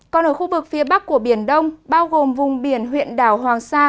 còn ở khu vực phía bắc của biển đông bao gồm vùng biển huyện đảo hoàng sa